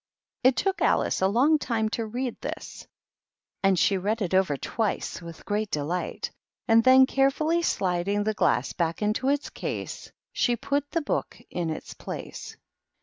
It took Alice a long time to read this; read it over twice with great delight, and the carefully sliding the glass back into its ease, a put the book in its place.